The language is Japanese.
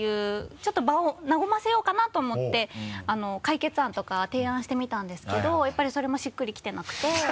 ちょっと場を和ませようかなと思って解決案とか提案してみたんですけどやっぱりそれもしっくりきてなくて。